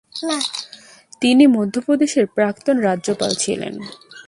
তিনি মধ্যপ্রদেশের প্রাক্তন রাজ্যপাল ছিলেন।